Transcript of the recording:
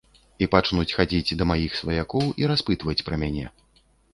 І пачнуць хадзіць да маіх сваякоў і распытваць пра мяне.